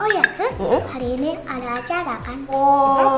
oh ya sus hari ini ada acara kan